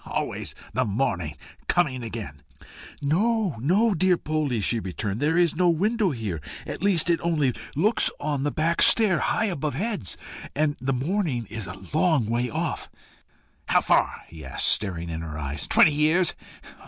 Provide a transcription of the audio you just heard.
always the morning coming again!" "No, no, dear Poldie!" she returned. "There is no window here at least it only looks on the back stair, high above heads; and the morning is a long way off." "How far?" he asked, staring in her eyes "twenty years?